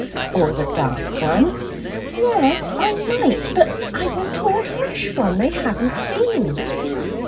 "Or the dark one." "Yes, I might; but I want to wear a fresh one they haven't seen."